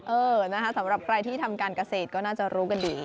เออนะคะสำหรับใครที่ทำการเกษตรก็น่าจะรู้กันดี